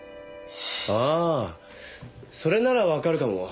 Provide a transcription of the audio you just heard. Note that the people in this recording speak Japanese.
ああそれならわかるかも。